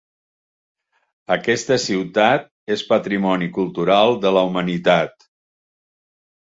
Aquesta ciutat és Patrimoni Cultural de la Humanitat.